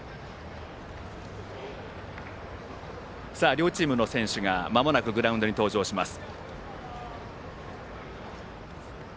両チームの選手がまもなくグラウンドに登場します。